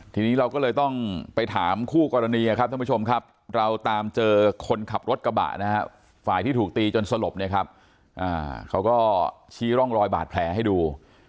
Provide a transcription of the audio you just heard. ทีนี้เราก็เลยต้องไปถามคู่กรณีครับท่านผู้ชมครับเราตามเจอคนขับรถกระบะนะฮะฝ่ายที่ถูกตีจนสลบเนี่ยครับเขาก็ชี้ร่องรอยบาดแผลให้ดู